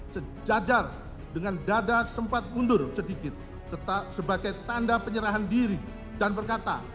sejajar dengan dada sempat mundur sedikit sebagai tanda penyerahan diri dan berkata